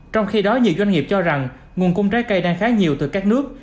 trong khi đó nhiều doanh nghiệp cho rằng nguồn cung trái cây đang khá nhiều từ các nước